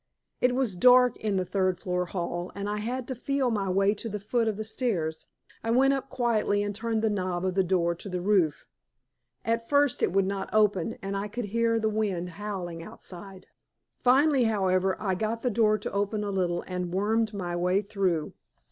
It was dark in the third floor hall, and I had to feel my way to the foot of the stairs. I went up quietly, and turned the knob of the door to the roof. At first it would not open, and I could hear the wind howling outside. Finally, however, I got the door open a little and wormed my way through.